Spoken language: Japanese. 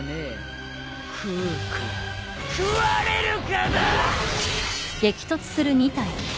食うか食われるかだ！